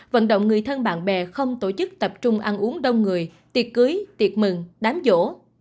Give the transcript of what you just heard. vận động người thân bạn bè không tổ chức tập trung ăn uống đông người tiệc cưới tiệc mừng đám vỗ